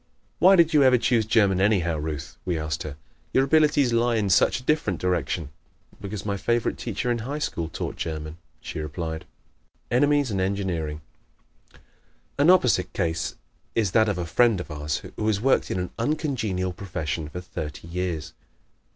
"Why did you ever choose German, anyhow, Ruth?" we asked her. "Your abilities lie in such a different direction." "Because my favorite teacher in high school taught German," she replied. Enemies and Engineering ¶ An opposite case is that of a friend of ours who has worked in an uncongenial profession for thirty years.